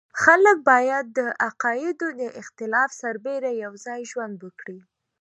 خلک باید د عقایدو د اختلاف سربېره یو ځای ژوند وکړي.